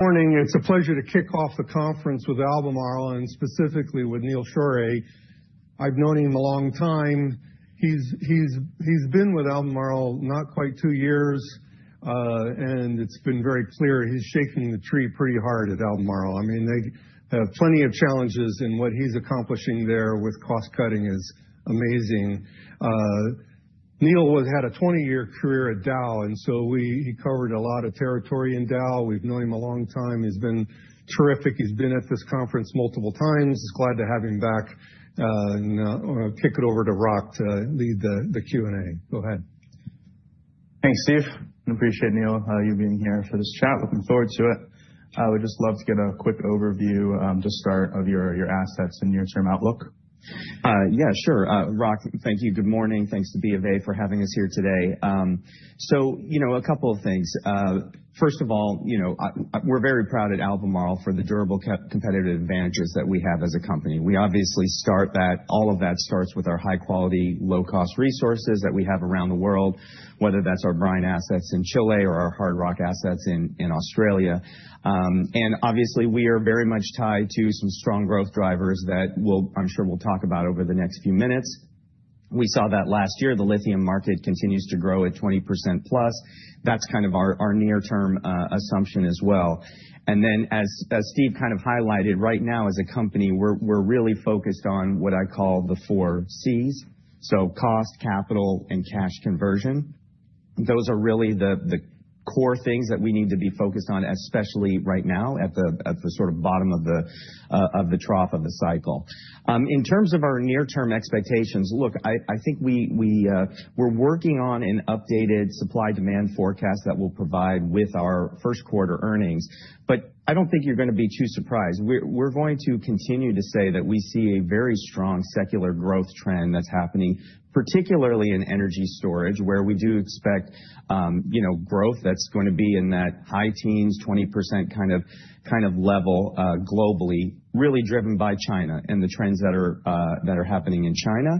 Morning. It's a pleasure to kick off the conference with Albemarle and specifically with Neal Sheorey. I've known him a long time. He's been with Albemarle not quite two years, and it's been very clear he's shaking the tree pretty hard at Albemarle. I mean, they have plenty of challenges, and what he's accomplishing there with cost-cutting is amazing. Neal had a 20-year career at Dow, and so he covered a lot of territory in Dow. We've known him a long time. He's been terrific. He's been at this conference multiple times. Glad to have him back. I'll kick it over to Rock to lead the Q&A. Go ahead. Thanks, Steve. I appreciate Neal you being here for this chat. Looking forward to it. I would just love to get a quick overview, just start, of your assets and your term outlook. Yeah, sure. Rock, thank you. Good morning. Thanks to BofA for having us here today. So a couple of things. First of all, we're very proud at Albemarle for the durable competitive advantages that we have as a company. We obviously, all of that starts with our high-quality, low-cost resources that we have around the world, whether that's our brine assets in Chile or our hard rock assets in Australia. And obviously, we are very much tied to some strong growth drivers that I'm sure we'll talk about over the next few minutes. We saw that last year. The lithium market continues to grow at 20% plus. That's kind of our near-term assumption as well. And then, as Steve kind of highlighted, right now as a company, we're really focused on what I call the four Cs. So cost, capital, and cash conversion. Those are really the core things that we need to be focused on, especially right now at the sort of bottom of the trough of the cycle. In terms of our near-term expectations, look, I think we're working on an updated supply-demand forecast that we'll provide with our first-quarter earnings. But I don't think you're going to be too surprised. We're going to continue to say that we see a very strong secular growth trend that's happening, particularly in energy storage, where we do expect growth that's going to be in that high teens, 20% kind of level globally, really driven by China and the trends that are happening in China.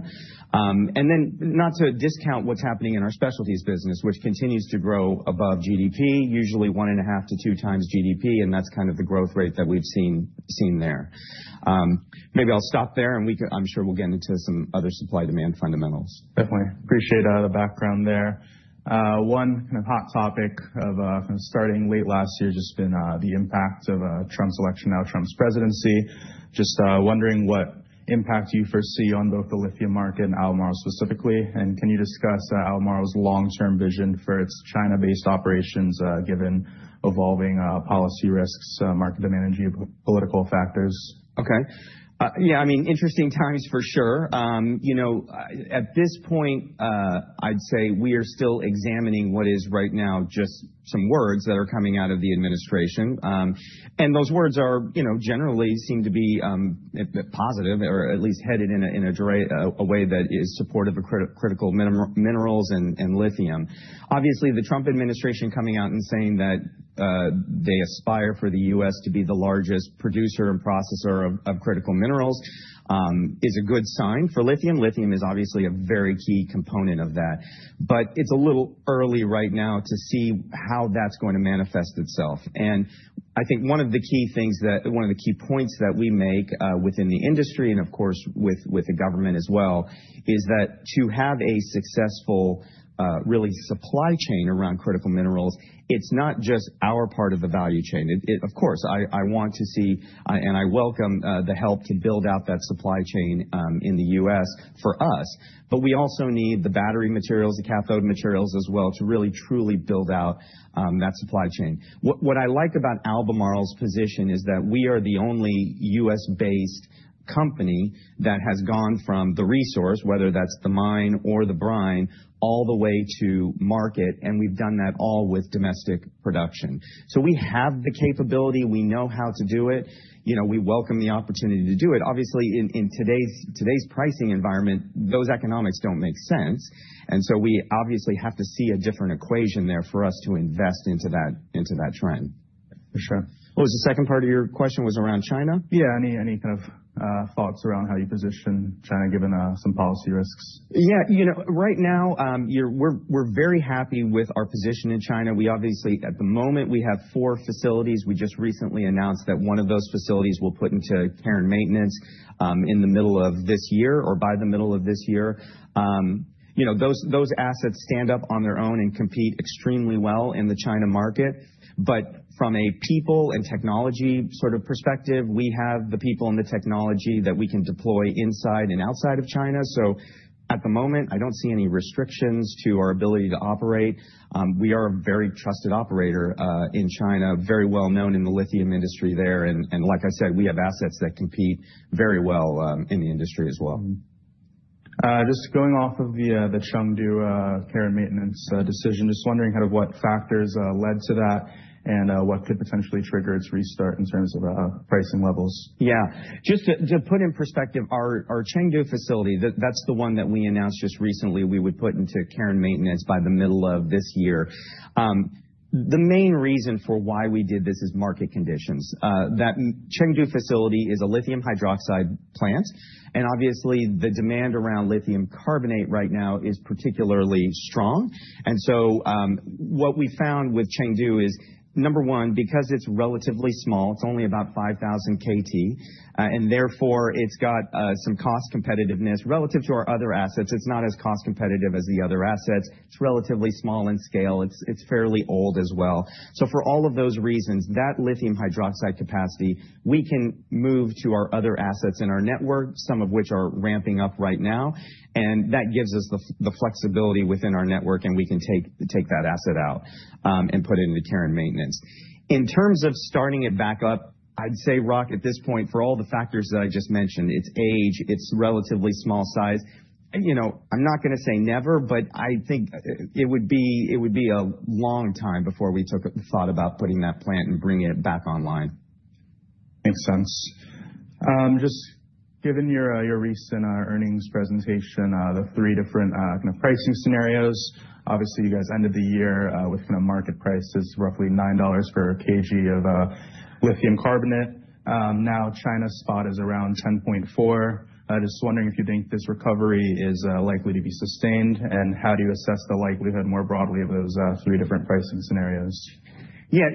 And then not to discount what's happening in our specialties business, which continues to grow above GDP, usually one and a half to two times GDP, and that's kind of the growth rate that we've seen there. Maybe I'll stop there, and I'm sure we'll get into some other supply-demand fundamentals. Definitely. Appreciate the background there. One kind of hot topic starting late last year has just been the impact of Trump's election, now Trump's presidency. Just wondering what impact you foresee on both the lithium market and Albemarle specifically, and can you discuss Albemarle's long-term vision for its China-based operations given evolving policy risks, market demand, and geopolitical factors? Okay. Yeah, I mean, interesting times for sure. At this point, I'd say we are still examining what is right now just some words that are coming out of the administration, and those words generally seem to be positive or at least headed in a way that is supportive of critical minerals and lithium. Obviously, the Trump administration coming out and saying that they aspire for the U.S. to be the largest producer and processor of critical minerals is a good sign for lithium. Lithium is obviously a very key component of that. But it's a little early right now to see how that's going to manifest itself. I think one of the key things that one of the key points that we make within the industry and, of course, with the government as well is that to have a successful, really, supply chain around critical minerals, it's not just our part of the value chain. Of course, I want to see and I welcome the help to build out that supply chain in the U.S. for us. But we also need the battery materials, the cathode materials as well to really truly build out that supply chain. What I like about Albemarle's position is that we are the only U.S.-based company that has gone from the resource, whether that's the mine or the brine, all the way to market, and we've done that all with domestic production. So we have the capability. We know how to do it. We welcome the opportunity to do it. Obviously, in today's pricing environment, those economics don't make sense, and so we obviously have to see a different equation there for us to invest into that trend. For sure. What was the second part of your question? Was it around China? Yeah. Any kind of thoughts around how you position China, given some policy risks? Yeah. Right now, we're very happy with our position in China. At the moment, we have four facilities. We just recently announced that one of those facilities will put into care and maintenance in the middle of this year or by the middle of this year. Those assets stand up on their own and compete extremely well in the China market. But from a people and technology sort of perspective, we have the people and the technology that we can deploy inside and outside of China. So at the moment, I don't see any restrictions to our ability to operate. We are a very trusted operator in China, very well known in the lithium industry there. And like I said, we have assets that compete very well in the industry as well. Just going off of the Chengdu care and maintenance decision, just wondering kind of what factors led to that and what could potentially trigger its restart in terms of pricing levels? Yeah. Just to put in perspective, our Chengdu facility, that's the one that we announced just recently we would put into care and maintenance by the middle of this year. The main reason for why we did this is market conditions. That Chengdu facility is a lithium hydroxide plant. And obviously, the demand around lithium carbonate right now is particularly strong. And so what we found with Chengdu is, number one, because it's relatively small, it's only about 5,000 tons, and therefore it's got some cost competitiveness. Relative to our other assets, it's not as cost competitive as the other assets. It's relatively small in scale. It's fairly old as well. So for all of those reasons, that lithium hydroxide capacity, we can move to our other assets in our network, some of which are ramping up right now. And that gives us the flexibility within our network, and we can take that asset out and put it into care and maintenance. In terms of starting it back up, I'd say, Rock, at this point, for all the factors that I just mentioned, it's age, it's relatively small size. I'm not going to say never, but I think it would be a long time before we thought about putting that plant and bringing it back online. Makes sense. Just given your recent earnings presentation, the three different kind of pricing scenarios, obviously, you guys ended the year with kind of market prices roughly $9 per kg of lithium carbonate. Now, China's spot is around $10.4. Just wondering if you think this recovery is likely to be sustained, and how do you assess the likelihood more broadly of those three different pricing scenarios? Yeah.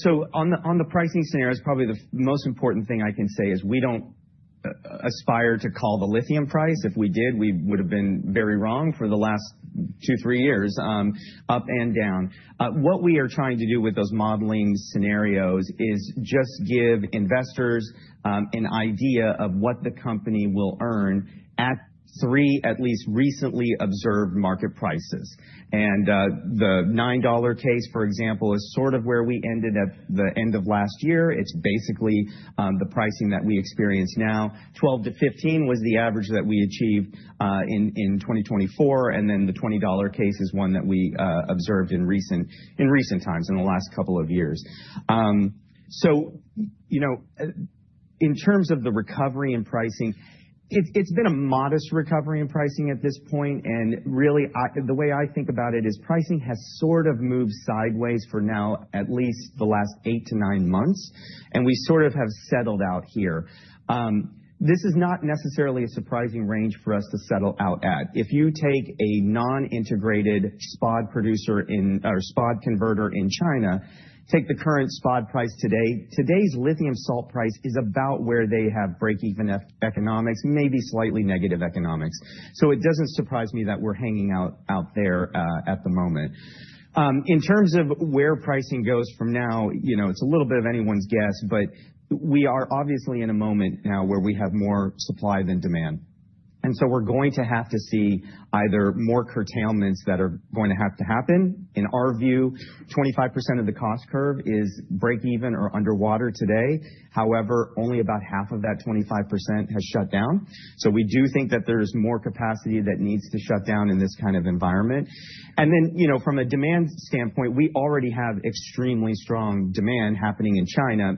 So on the pricing scenarios, probably the most important thing I can say is we don't aspire to call the lithium price. If we did, we would have been very wrong for the last two, three years, up and down. What we are trying to do with those modeling scenarios is just give investors an idea of what the company will earn at three, at least recently observed market prices. And the $9 case, for example, is sort of where we ended at the end of last year. It's basically the pricing that we experience now. $12-$15 was the average that we achieved in 2024. And then the $20 case is one that we observed in recent times in the last couple of years. So in terms of the recovery and pricing, it's been a modest recovery in pricing at this point. And really, the way I think about it is pricing has sort of moved sideways for now, at least the last eight-to-nine months, and we sort of have settled out here. This is not necessarily a surprising range for us to settle out at. If you take a non-integrated spod producer or spod converter in China, take the current spod price today, today's lithium salt price is about where they have break-even economics, maybe slightly negative economics. So it doesn't surprise me that we're hanging out there at the moment. In terms of where pricing goes from now, it's a little bit of anyone's guess, but we are obviously in a moment now where we have more supply than demand. And so we're going to have to see either more curtailments that are going to have to happen. In our view, 25% of the cost curve is break-even or underwater today. However, only about half of that 25% has shut down. So we do think that there's more capacity that needs to shut down in this kind of environment. And then from a demand standpoint, we already have extremely strong demand happening in China.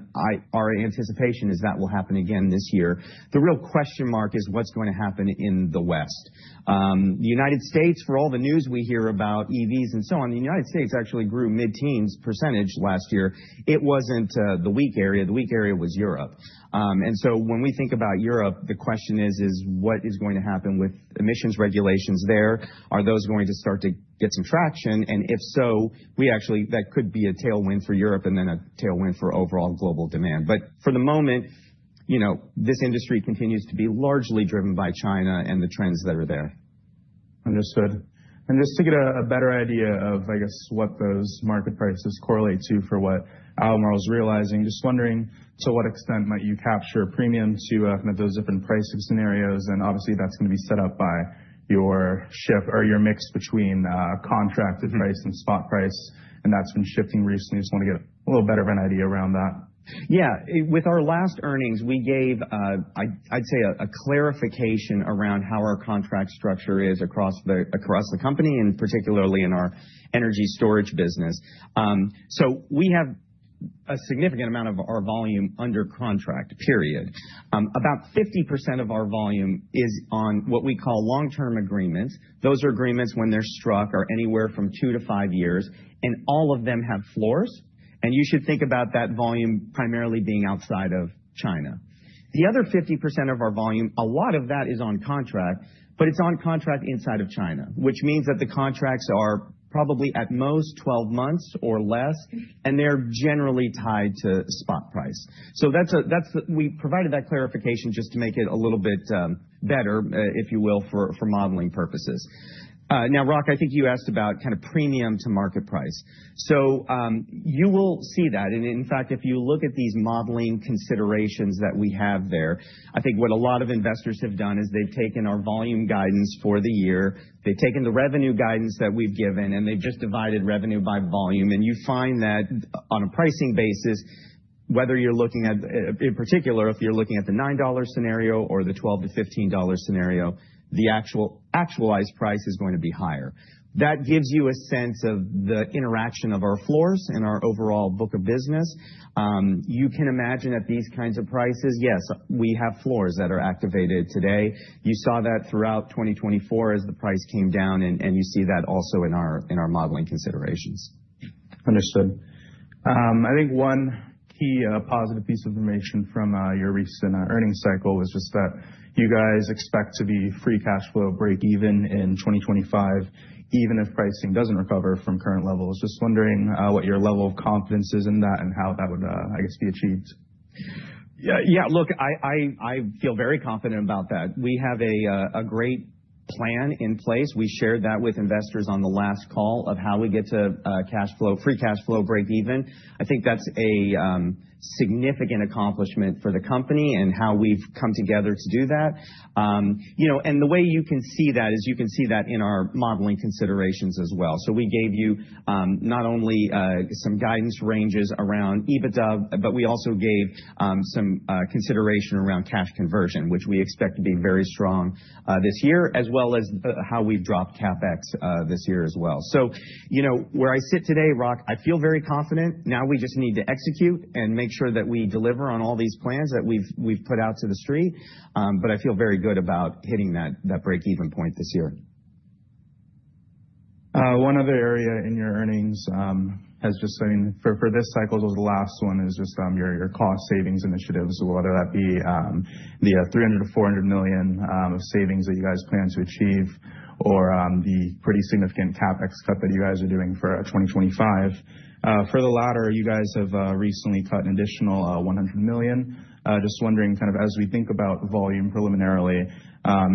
Our anticipation is that will happen again this year. The real question mark is what's going to happen in the West. The United States, for all the news we hear about EVs and so on, the United States actually grew mid-teens percentage last year. It wasn't the weak area. The weak area was Europe. And so when we think about Europe, the question is, what is going to happen with emissions regulations there? Are those going to start to get some traction? If so, we actually that could be a tailwind for Europe and then a tailwind for overall global demand, but for the moment, this industry continues to be largely driven by China and the trends that are there. Understood. And just to get a better idea of, I guess, what those market prices correlate to for what Albemarle is realizing, just wondering to what extent might you capture a premium to those different pricing scenarios? And obviously, that's going to be set up by your shift or your mix between contracted price and spot price, and that's been shifting recently. Just want to get a little better of an idea around that. Yeah. With our last earnings, we gave, I'd say, a clarification around how our contract structure is across the company and particularly in our energy storage business. So we have a significant amount of our volume under contract, period. About 50% of our volume is on what we call long-term agreements. Those are agreements when they're struck, are anywhere from two to five years, and all of them have floors. And you should think about that volume primarily being outside of China. The other 50% of our volume, a lot of that is on contract, but it's on contract inside of China, which means that the contracts are probably at most 12 months or less, and they're generally tied to spot price. So we provided that clarification just to make it a little bit better, if you will, for modeling purposes. Now, Rock, I think you asked about kind of premium to market price. So you will see that. And in fact, if you look at these modeling considerations that we have there, I think what a lot of investors have done is they've taken our volume guidance for the year. They've taken the revenue guidance that we've given, and they've just divided revenue by volume. And you find that on a pricing basis, whether you're looking at in particular, if you're looking at the $9 scenario or the $12-$15 scenario, the actualized price is going to be higher. That gives you a sense of the interaction of our floors and our overall book of business. You can imagine at these kinds of prices, yes, we have floors that are activated today. You saw that throughout 2024 as the price came down, and you see that also in our modeling considerations. Understood. I think one key positive piece of information from your recent earnings cycle was just that you guys expect to be free cash flow break-even in 2025, even if pricing doesn't recover from current levels. Just wondering what your level of confidence is in that and how that would, I guess, be achieved. Yeah. Look, I feel very confident about that. We have a great plan in place. We shared that with investors on the last call of how we get to free cash flow break-even. I think that's a significant accomplishment for the company and how we've come together to do that. And the way you can see that is you can see that in our modeling considerations as well. So we gave you not only some guidance ranges around EBITDA, but we also gave some consideration around cash conversion, which we expect to be very strong this year, as well as how we've dropped CapEx this year as well. So where I sit today, Rock, I feel very confident. Now we just need to execute and make sure that we deliver on all these plans that we've put out to the street. But I feel very good about hitting that break-even point this year. One other area in your earnings has just been for this cycle, it was the last one, is just your cost savings initiatives. So whether that be the $300 million-$400 million of savings that you guys plan to achieve or the pretty significant CapEx cut that you guys are doing for 2025. For the latter, you guys have recently cut an additional $100 million. Just wondering, kind of as we think about volume preliminarily,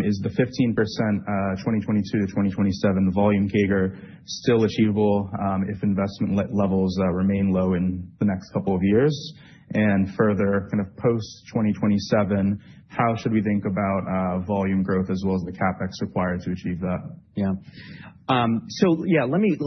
is the 15% 2022 to 2027 volume CAGR still achievable if investment levels remain low in the next couple of years? And further, kind of post-2027, how should we think about volume growth as well as the CapEx required to achieve that? Yeah. So yeah, let me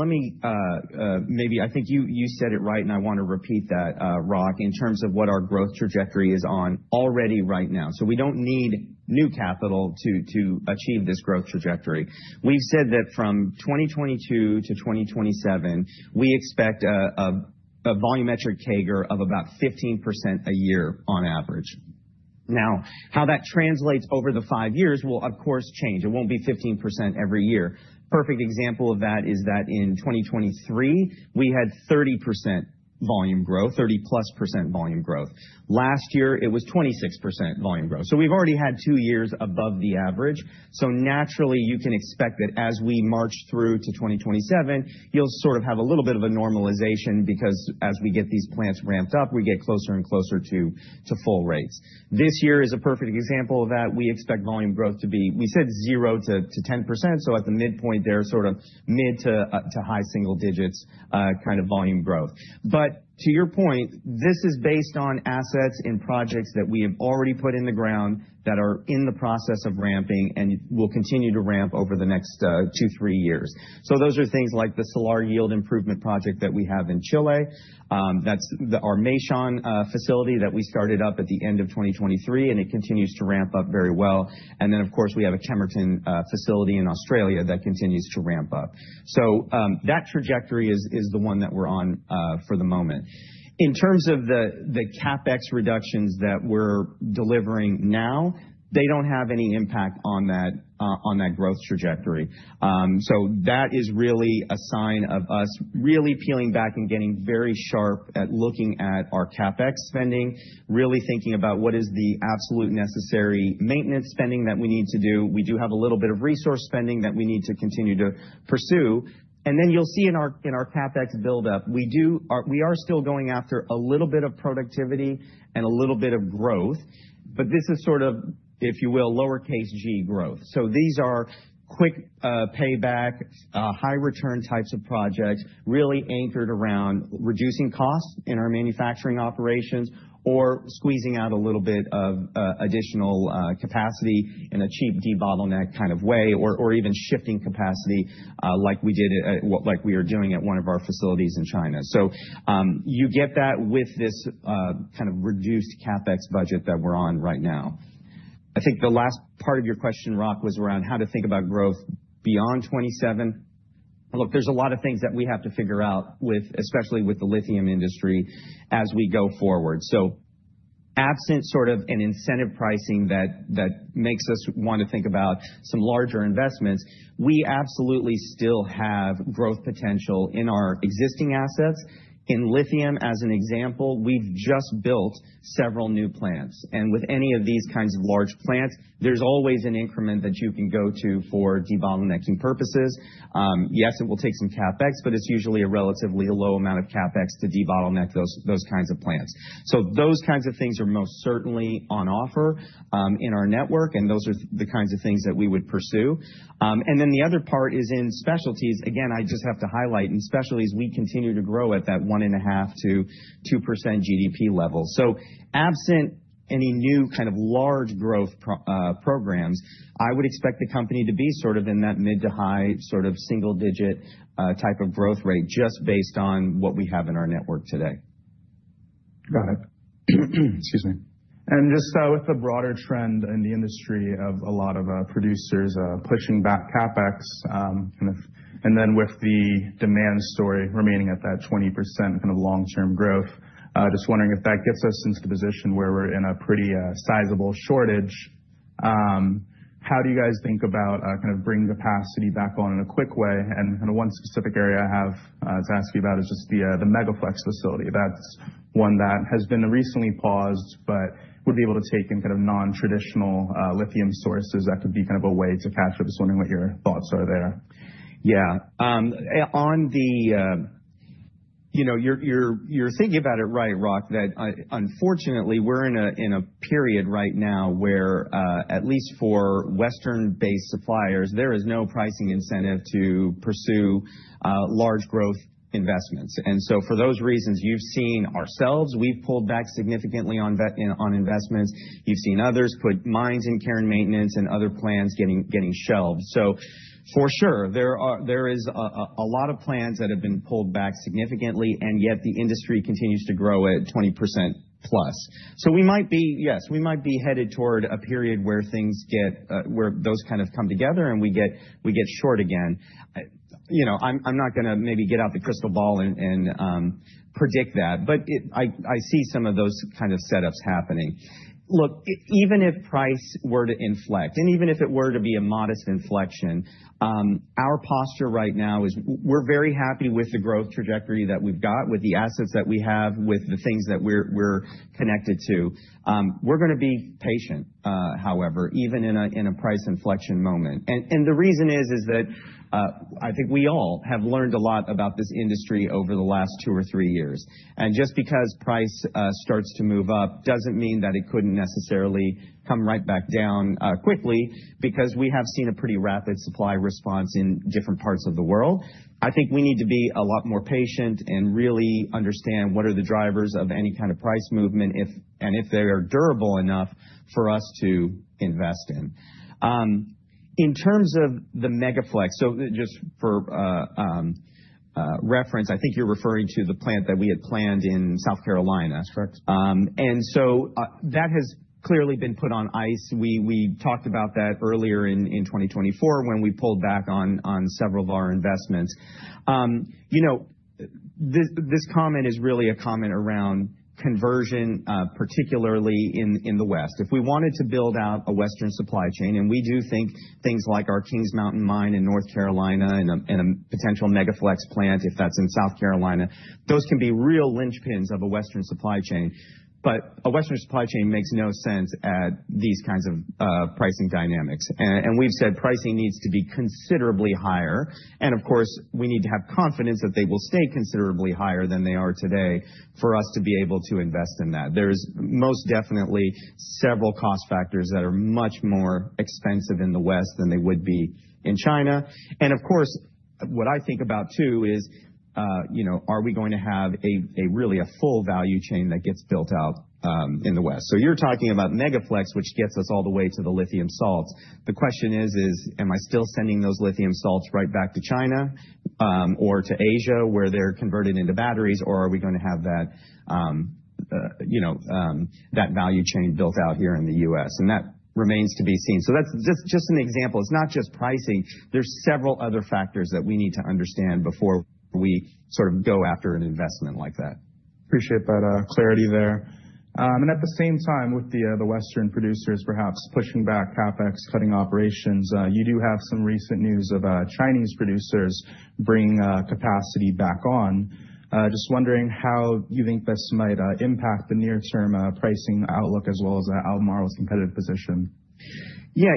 maybe I think you said it right, and I want to repeat that, Rock, in terms of what our growth trajectory is on already right now. So we don't need new capital to achieve this growth trajectory. We've said that from 2022 to 2027, we expect a volumetric CAGR of about 15% a year on average. Now, how that translates over the five years will, of course, change. It won't be 15% every year. Perfect example of that is that in 2023, we had 30% volume growth, 30-plus % volume growth. Last year, it was 26% volume growth. So we've already had two years above the average. So naturally, you can expect that as we march through to 2027, you'll sort of have a little bit of a normalization because as we get these plants ramped up, we get closer and closer to full rates. This year is a perfect example of that. We expect volume growth to be, we said, 0-10%. So at the midpoint, there are sort of mid to high single digits kind of volume growth. But to your point, this is based on assets and projects that we have already put in the ground that are in the process of ramping and will continue to ramp over the next two, three years. So those are things like the Salar Yield Improvement Project that we have in Chile. That's our Meishan facility that we started up at the end of 2023, and it continues to ramp up very well. And then, of course, we have a Kemerton facility in Australia that continues to ramp up. So that trajectory is the one that we're on for the moment. In terms of the CapEx reductions that we're delivering now, they don't have any impact on that growth trajectory. So that is really a sign of us really peeling back and getting very sharp at looking at our CapEx spending, really thinking about what is the absolute necessary maintenance spending that we need to do. We do have a little bit of resource spending that we need to continue to pursue. And then you'll see in our CapEx buildup, we are still going after a little bit of productivity and a little bit of growth, but this is sort of, if you will, lowercase g growth. So these are quick payback, high-return types of projects really anchored around reducing costs in our manufacturing operations or squeezing out a little bit of additional capacity in a cheap debottleneck kind of way or even shifting capacity like we did, like we are doing at one of our facilities in China. So you get that with this kind of reduced CapEx budget that we're on right now. I think the last part of your question, Rock, was around how to think about growth beyond 2027. Look, there's a lot of things that we have to figure out, especially with the lithium industry as we go forward. So absent sort of an incentive pricing that makes us want to think about some larger investments, we absolutely still have growth potential in our existing assets. In lithium, as an example, we've just built several new plants. And with any of these kinds of large plants, there's always an increment that you can go to for debottlenecking purposes. Yes, it will take some CapEx, but it's usually a relatively low amount of CapEx to debottleneck those kinds of plants. So those kinds of things are most certainly on offer in our network, and those are the kinds of things that we would pursue. And then the other part is in specialties. Again, I just have to highlight in specialties, we continue to grow at that one and a half to 2% GDP level. So absent any new kind of large growth programs, I would expect the company to be sort of in that mid to high sort of single-digit type of growth rate just based on what we have in our network today. Got it. Excuse me, and just with the broader trend in the industry of a lot of producers pushing back CapEx, and then with the demand story remaining at that 20% kind of long-term growth, just wondering if that gets us into the position where we're in a pretty sizable shortage. How do you guys think about kind of bringing capacity back on in a quick way, and kind of one specific area I have to ask you about is just the Mega-Flex facility. That's one that has been recently paused, but would be able to take in kind of non-traditional lithium sources that could be kind of a way to catch up. Just wondering what your thoughts are there. Yeah. You're thinking about it right, Rock, that unfortunately, we're in a period right now where at least for Western-based suppliers, there is no pricing incentive to pursue large growth investments. And so for those reasons, you've seen ourselves. We've pulled back significantly on investments. You've seen others put mines in care and maintenance and other plants getting shelved. So for sure, there is a lot of plants that have been pulled back significantly, and yet the industry continues to grow at 20% plus. So we might be, yes, we might be headed toward a period where things get where those kind of come together and we get short again. I'm not going to maybe get out the crystal ball and predict that, but I see some of those kind of setups happening. Look, even if price were to inflect, and even if it were to be a modest inflection, our posture right now is we're very happy with the growth trajectory that we've got with the assets that we have, with the things that we're connected to. We're going to be patient, however, even in a price inflection moment, and the reason is that I think we all have learned a lot about this industry over the last two or three years, and just because price starts to move up doesn't mean that it couldn't necessarily come right back down quickly because we have seen a pretty rapid supply response in different parts of the world. I think we need to be a lot more patient and really understand what are the drivers of any kind of price movement and if they are durable enough for us to invest in. In terms of the Mega-Flex, so just for reference, I think you're referring to the plant that we had planned in South Carolina. That's correct. And so that has clearly been put on ice. We talked about that earlier in 2024 when we pulled back on several of our investments. This comment is really a comment around conversion, particularly in the West. If we wanted to build out a Western supply chain, and we do think things like our Kings Mountain mine in North Carolina and a potential Mega-Flex plant, if that's in South Carolina, those can be real linchpins of a Western supply chain. But a Western supply chain makes no sense at these kinds of pricing dynamics. And we've said pricing needs to be considerably higher. And of course, we need to have confidence that they will stay considerably higher than they are today for us to be able to invest in that. There's most definitely several cost factors that are much more expensive in the West than they would be in China. And of course, what I think about too is, are we going to have really a full value chain that gets built out in the West? So you're talking about Mega-Flex, which gets us all the way to the lithium salts. The question is, am I still sending those lithium salts right back to China or to Asia where they're converted into batteries, or are we going to have that value chain built out here in the U.S.? And that remains to be seen. So that's just an example. It's not just pricing. There's several other factors that we need to understand before we sort of go after an investment like that. Appreciate that clarity there and at the same time, with the Western producers perhaps pushing back CapEx, cutting operations, you do have some recent news of Chinese producers bringing capacity back on. Just wondering how you think this might impact the near-term pricing outlook as well as Albemarle's competitive position? Yeah.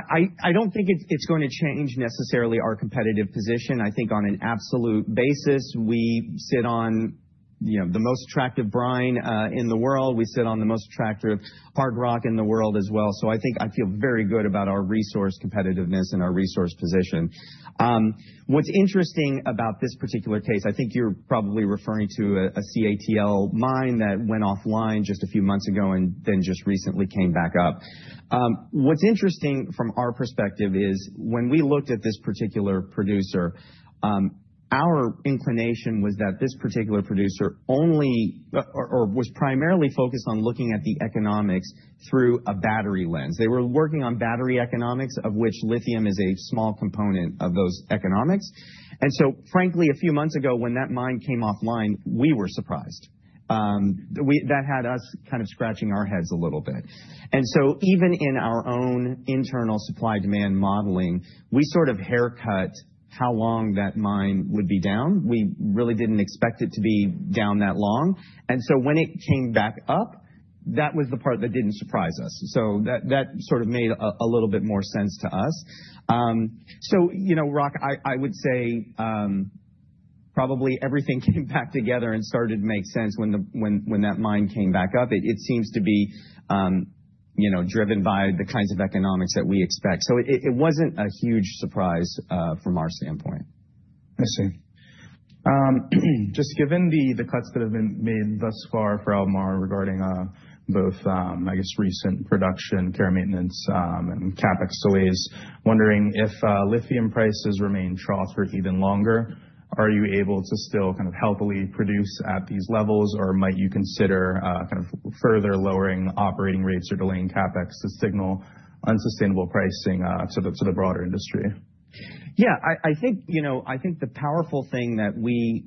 I don't think it's going to change necessarily our competitive position. I think on an absolute basis, we sit on the most attractive brine in the world. We sit on the most attractive hard rock in the world as well. So I think I feel very good about our resource competitiveness and our resource position. What's interesting about this particular case, I think you're probably referring to a CATL mine that went offline just a few months ago and then just recently came back up. What's interesting from our perspective is when we looked at this particular producer, our inclination was that this particular producer only or was primarily focused on looking at the economics through a battery lens. They were working on battery economics, of which lithium is a small component of those economics. Frankly, a few months ago when that mine came offline, we were surprised. That had us kind of scratching our heads a little bit. Even in our own internal supply demand modeling, we sort of haircut how long that mine would be down. We really didn't expect it to be down that long. When it came back up, that was the part that didn't surprise us. That sort of made a little bit more sense to us. Rock, I would say probably everything came back together and started to make sense when that mine came back up. It seems to be driven by the kinds of economics that we expect. It wasn't a huge surprise from our standpoint. I see. Just given the cuts that have been made thus far for Albemarle regarding both, I guess, recent production, care and maintenance, and CapEx delays, wondering if lithium prices remain trough for even longer, are you able to still kind of healthily produce at these levels, or might you consider kind of further lowering operating rates or delaying CapEx to signal unsustainable pricing to the broader industry? Yeah. I think the powerful thing that we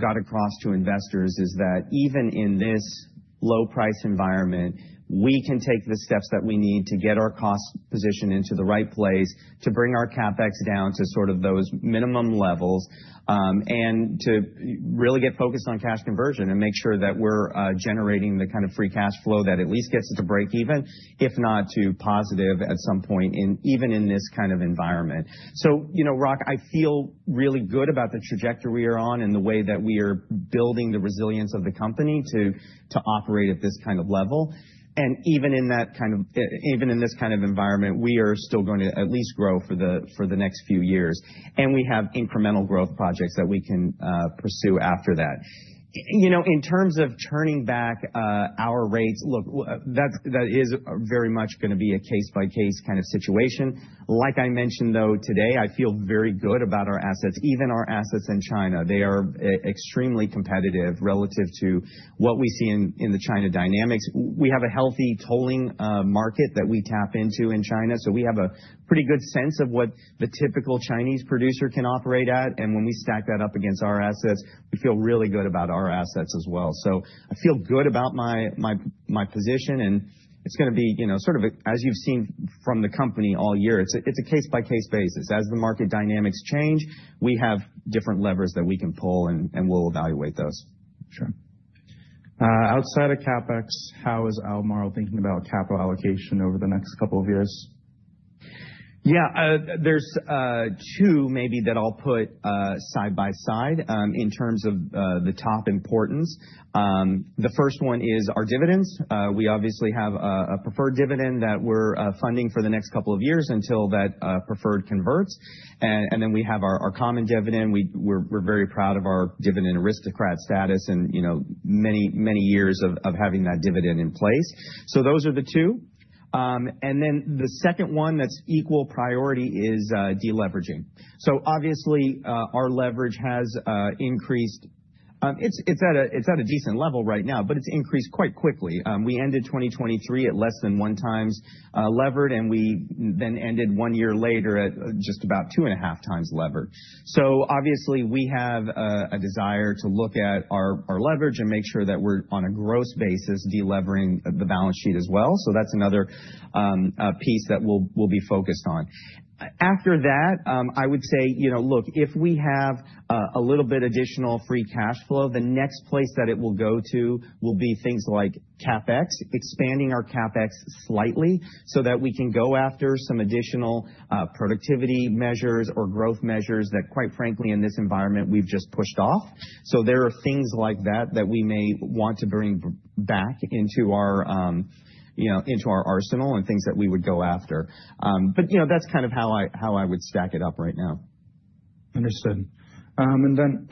got across to investors is that even in this low-price environment, we can take the steps that we need to get our cost position into the right place to bring our CapEx down to sort of those minimum levels and to really get focused on cash conversion and make sure that we're generating the kind of free cash flow that at least gets it to break even, if not to positive at some point, even in this kind of environment. So Rock, I feel really good about the trajectory we are on and the way that we are building the resilience of the company to operate at this kind of level. And even in this kind of environment, we are still going to at least grow for the next few years. We have incremental growth projects that we can pursue after that. In terms of turning back our rates, look, that is very much going to be a case-by-case kind of situation. Like I mentioned, though, today, I feel very good about our assets, even our assets in China. They are extremely competitive relative to what we see in the China dynamics. We have a healthy tolling market that we tap into in China. So we have a pretty good sense of what the typical Chinese producer can operate at. And when we stack that up against our assets, we feel really good about our assets as well. So I feel good about my position. It's going to be sort of, as you've seen from the company all year, it's a case-by-case basis. As the market dynamics change, we have different levers that we can pull, and we'll evaluate those. Sure. Outside of CapEx, how is Albemarle thinking about capital allocation over the next couple of years? Yeah. There's two maybe that I'll put side by side in terms of the top importance. The first one is our dividends. We obviously have a preferred dividend that we're funding for the next couple of years until that preferred converts. And then we have our common dividend. We're very proud of our dividend aristocrat status and many, many years of having that dividend in place. So those are the two. And then the second one that's equal priority is deleveraging. So obviously, our leverage has increased. It's at a decent level right now, but it's increased quite quickly. We ended 2023 at less than one times levered, and we then ended one year later at just about two and a half times levered. So obviously, we have a desire to look at our leverage and make sure that we're on a gross basis delevering the balance sheet as well. So that's another piece that we'll be focused on. After that, I would say, look, if we have a little bit additional free cash flow, the next place that it will go to will be things like CapEx, expanding our CapEx slightly so that we can go after some additional productivity measures or growth measures that, quite frankly, in this environment, we've just pushed off. So there are things like that that we may want to bring back into our arsenal and things that we would go after. But that's kind of how I would stack it up right now. Understood. And then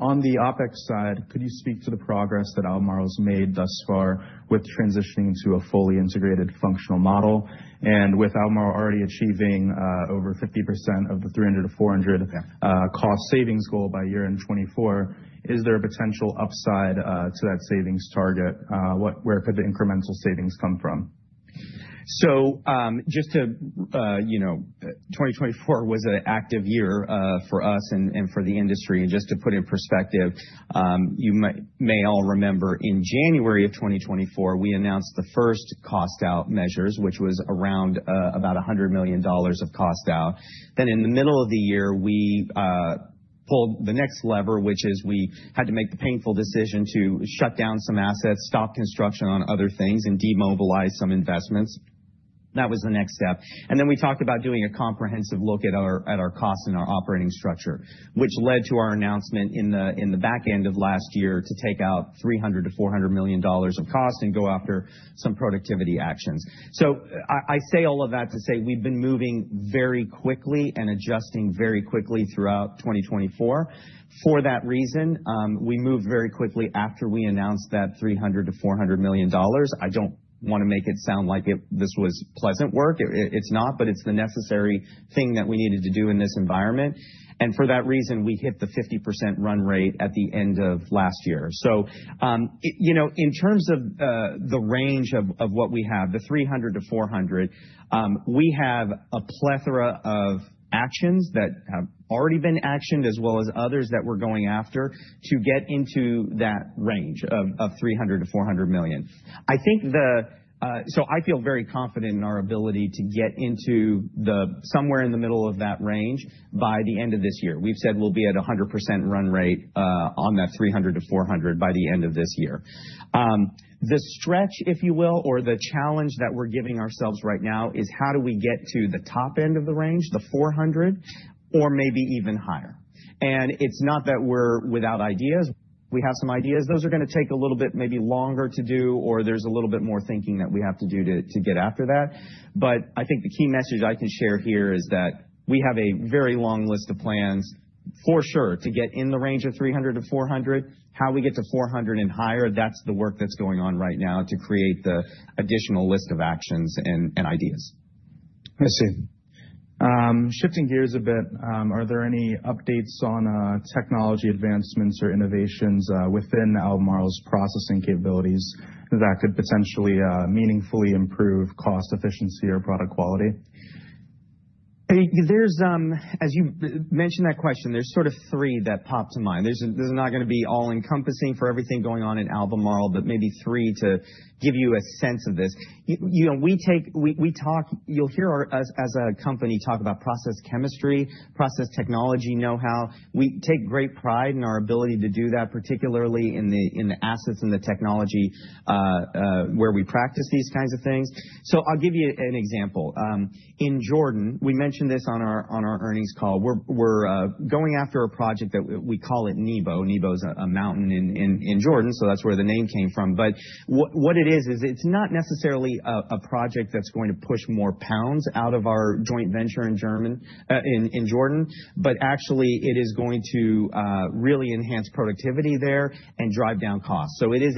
on the OpEx side, could you speak to the progress that Albemarle has made thus far with transitioning to a fully integrated functional model? And with Albemarle already achieving over 50% of the $300 million-$400 million cost savings goal by year in 2024, is there a potential upside to that savings target? Where could the incremental savings come from? So, 2024 was an active year for us and for the industry. And just to put in perspective, you may all remember in January of 2024, we announced the first cost-out measures, which was around about $100 million of cost-out. Then, in the middle of the year, we pulled the next lever, which is we had to make the painful decision to shut down some assets, stop construction on other things, and demobilize some investments. That was the next step. And then we talked about doing a comprehensive look at our costs and our operating structure, which led to our announcement in the back end of last year to take out $300 million-$400 million of costs and go after some productivity actions. So I say all of that to say we've been moving very quickly and adjusting very quickly throughout 2024. For that reason, we moved very quickly after we announced that $300 million-$400 million. I don't want to make it sound like this was pleasant work. It's not, but it's the necessary thing that we needed to do in this environment. And for that reason, we hit the 50% run rate at the end of last year. So in terms of the range of what we have, the $300 million-$400 million, we have a plethora of actions that have already been actioned as well as others that we're going after to get into that range of $300 million-$400 million. I think the so I feel very confident in our ability to get into somewhere in the middle of that range by the end of this year. We've said we'll be at a 100% run rate on that $300 million-$400 million by the end of this year. The stretch, if you will, or the challenge that we're giving ourselves right now is how do we get to the top end of the range, the $400 million, or maybe even higher? And it's not that we're without ideas. We have some ideas. Those are going to take a little bit maybe longer to do, or there's a little bit more thinking that we have to do to get after that. But I think the key message I can share here is that we have a very long list of plans for sure to get in the range of $300 million-$400 million. How we get to $400 million and higher, that's the work that's going on right now to create the additional list of actions and ideas. I see. Shifting gears a bit, are there any updates on technology advancements or innovations within Albemarle's processing capabilities that could potentially meaningfully improve cost efficiency or product quality? As you mentioned that question, there's sort of three that pop to mind. There's not going to be all-encompassing for everything going on at Albemarle, but maybe three to give you a sense of this. We talk, you'll hear us as a company talk about process chemistry, process technology know-how. We take great pride in our ability to do that, particularly in the assets and the technology where we practice these kinds of things. So I'll give you an example. In Jordan, we mentioned this on our earnings call. We're going after a project that we call Project NEBO. NEBO is a mountain in Jordan, so that's where the name came from. But what it is is it's not necessarily a project that's going to push more pounds out of our joint venture in Jordan, but actually, it is going to really enhance productivity there and drive down costs. So it is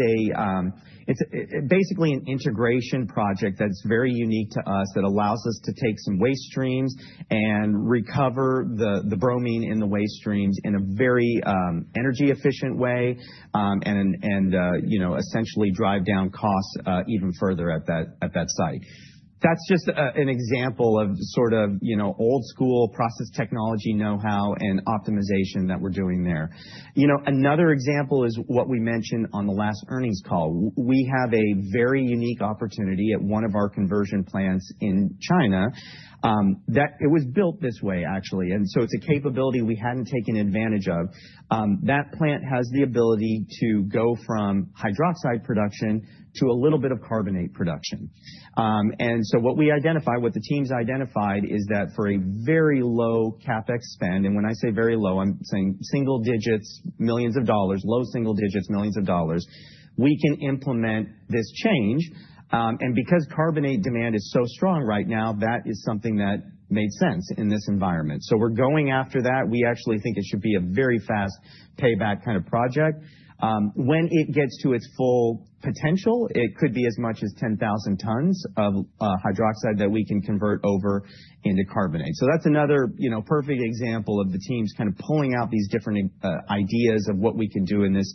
basically an integration project that's very unique to us that allows us to take some waste streams and recover the bromine in the waste streams in a very energy-efficient way and essentially drive down costs even further at that site. That's just an example of sort of old-school process technology know-how and optimization that we're doing there. Another example is what we mentioned on the last earnings call. We have a very unique opportunity at one of our conversion plants in China that it was built this way, actually. And so it's a capability we hadn't taken advantage of. That plant has the ability to go from hydroxide production to a little bit of carbonate production. And so what we identified, what the teams identified, is that for a very low CapEx spend, and when I say very low, I'm saying single digits, millions of dollars, low single digits, millions of dollars, we can implement this change. And because carbonate demand is so strong right now, that is something that made sense in this environment. So we're going after that. We actually think it should be a very fast payback kind of project. When it gets to its full potential, it could be as much as 10,000 tons of hydroxide that we can convert over into carbonate. So that's another perfect example of the teams kind of pulling out these different ideas of what we can do in this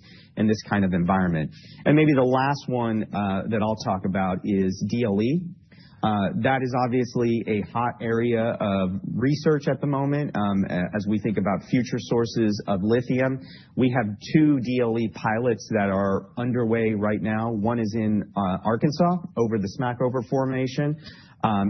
kind of environment. And maybe the last one that I'll talk about is DLE. That is obviously a hot area of research at the moment as we think about future sources of lithium. We have two DLE pilots that are underway right now. One is in Arkansas over the Smackover Formation,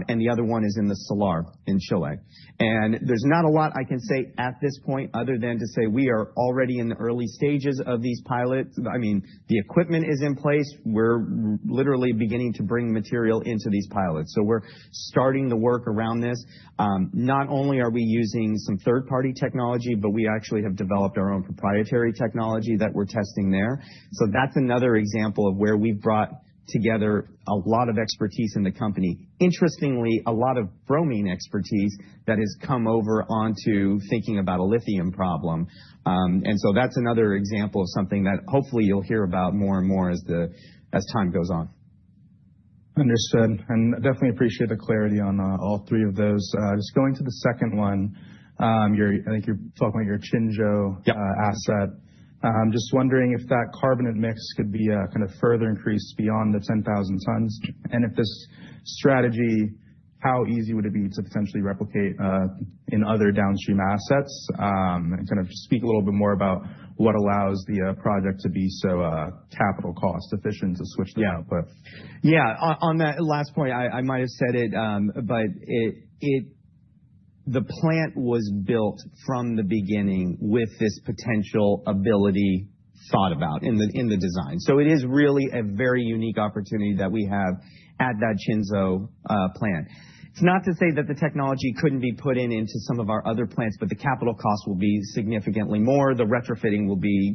and the other one is in the Salar in Chile, and there's not a lot I can say at this point other than to say we are already in the early stages of these pilots. I mean, the equipment is in place. We're literally beginning to bring material into these pilots, so we're starting the work around this. Not only are we using some third-party technology, but we actually have developed our own proprietary technology that we're testing there, so that's another example of where we've brought together a lot of expertise in the company. Interestingly, a lot of bromine expertise that has come over onto thinking about a lithium problem. And so that's another example of something that hopefully you'll hear about more and more as time goes on. Understood. And definitely appreciate the clarity on all three of those. Just going to the second one, I think you're talking about your Qinzhou asset. Just wondering if that carbonate mix could be kind of further increased beyond the 10,000 tons. And if this strategy, how easy would it be to potentially replicate in other downstream assets? And kind of speak a little bit more about what allows the project to be so capital cost efficient to switch the output. Yeah. On that last point, I might have said it, but the plant was built from the beginning with this potential ability thought about in the design. So it is really a very unique opportunity that we have at that Qinzhou plant. It's not to say that the technology couldn't be put into some of our other plants, but the capital cost will be significantly more. The retrofitting will be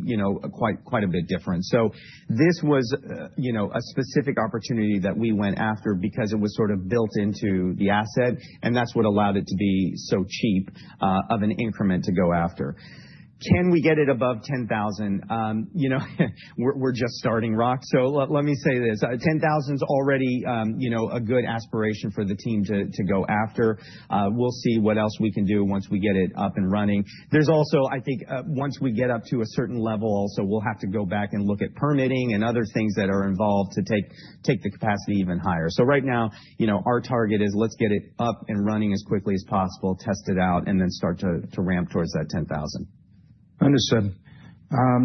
quite a bit different. So this was a specific opportunity that we went after because it was sort of built into the asset, and that's what allowed it to be so cheap of an increment to go after. Can we get it above 10,000? We're just starting, Rock. So let me say this. 10,000 is already a good aspiration for the team to go after. We'll see what else we can do once we get it up and running. There's also, I think, once we get up to a certain level, also we'll have to go back and look at permitting and other things that are involved to take the capacity even higher. So right now, our target is let's get it up and running as quickly as possible, test it out, and then start to ramp towards that 10,000. Understood.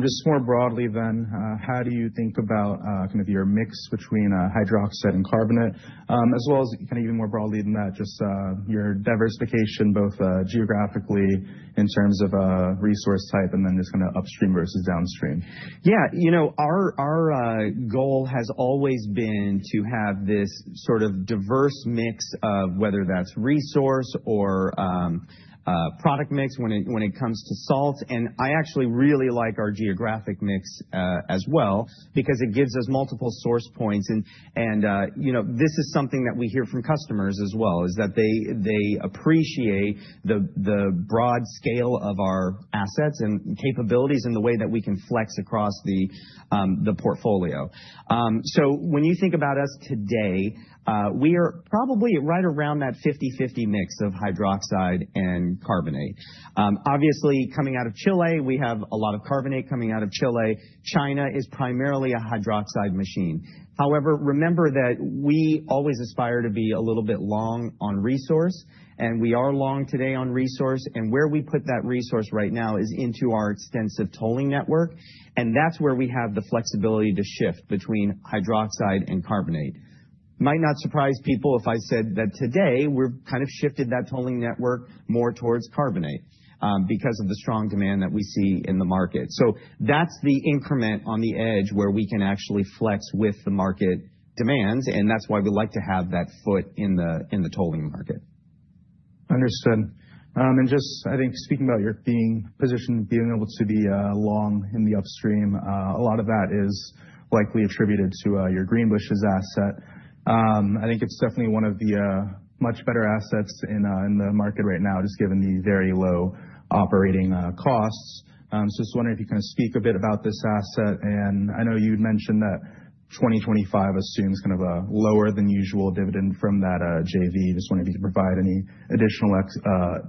Just more broadly then, how do you think about kind of your mix between hydroxide and carbonate, as well as kind of even more broadly than that, just your diversification both geographically in terms of resource type and then just kind of upstream versus downstream? Yeah. Our goal has always been to have this sort of diverse mix of whether that's resource or product mix when it comes to salt. And I actually really like our geographic mix as well because it gives us multiple source points. And this is something that we hear from customers as well, is that they appreciate the broad scale of our assets and capabilities and the way that we can flex across the portfolio. So when you think about us today, we are probably right around that 50/50 mix of hydroxide and carbonate. Obviously, coming out of Chile, we have a lot of carbonate coming out of Chile. China is primarily a hydroxide machine. However, remember that we always aspire to be a little bit long on resource, and we are long today on resource. And where we put that resource right now is into our extensive tolling network, and that's where we have the flexibility to shift between hydroxide and carbonate. Might not surprise people if I said that today we've kind of shifted that tolling network more towards carbonate because of the strong demand that we see in the market. So that's the increment on the edge where we can actually flex with the market demands, and that's why we like to have that foot in the tolling market. Understood. And just, I think, speaking about your position, being able to be long in the upstream, a lot of that is likely attributed to your Greenbushes' asset. I think it's definitely one of the much better assets in the market right now, just given the very low operating costs. So just wondering if you can speak a bit about this asset. And I know you'd mentioned that 2025 assumes kind of a lower than usual dividend from that JV. Just wondering if you could provide any additional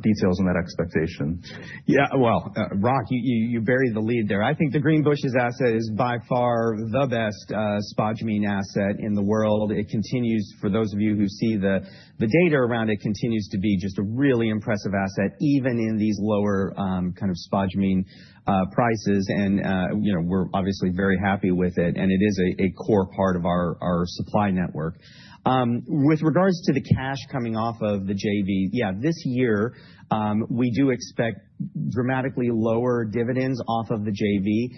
details on that expectation. Yeah. Well, Rock, you buried the lead there. I think the Greenbushes asset is by far the best spodumene asset in the world. It continues, for those of you who see the data around it, continues to be just a really impressive asset, even in these lower kind of spodumene prices. And we're obviously very happy with it, and it is a core part of our supply network. With regards to the cash coming off of the JV, yeah, this year, we do expect dramatically lower dividends off of the JV,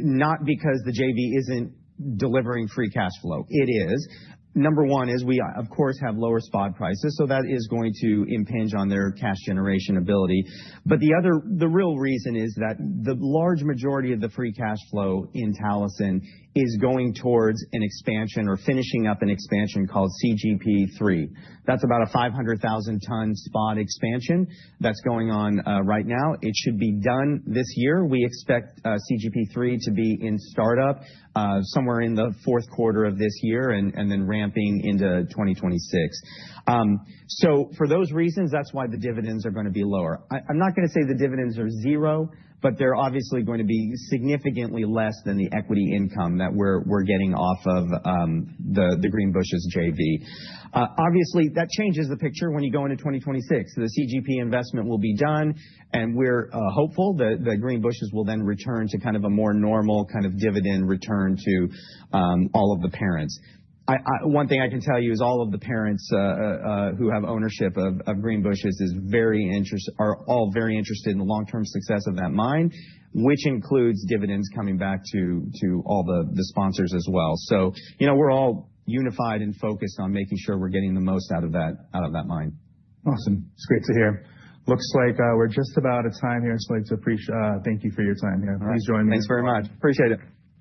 not because the JV isn't delivering free cash flow. It is. Number one is we, of course, have lower spod prices, so that is going to impinge on their cash generation ability. But the real reason is that the large majority of the free cash flow in Talison is going towards an expansion or finishing up an expansion called CGP3. That's about a 500,000-ton spod expansion that's going on right now. It should be done this year. We expect CGP3 to be in startup somewhere in the fourth quarter of this year and then ramping into 2026. So for those reasons, that's why the dividends are going to be lower. I'm not going to say the dividends are zero, but they're obviously going to be significantly less than the equity income that we're getting off of the Greenbushes' JV. Obviously, that changes the picture when you go into 2026. The CGP investment will be done, and we're hopeful that the Greenbushes will then return to kind of a more normal kind of dividend return to all of the parents. One thing I can tell you is all of the parents who have ownership of Greenbushes are all very interested in the long-term success of that mine, which includes dividends coming back to all the sponsors as well so we're all unified and focused on making sure we're getting the most out of that mine. Awesome. It's great to hear. Looks like we're just about at time here. So I'd like to thank you for your time here. Please join me. Thanks very much. Appreciate it.